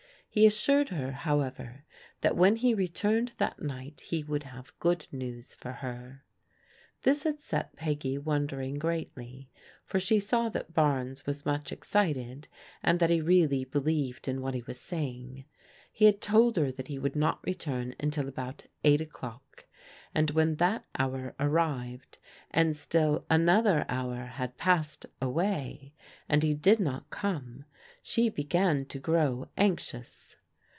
He assured her, however, that when he returned that night he would have good news for her. This had set P^gy wondering greatly, for she saw that Barnes was much excited, and that he really believed in what he was saying. He had told her that he would not return until about eight o'clock, and when that hour arrived, and still another hour had passed away, and he did not come, she began to grow anxious.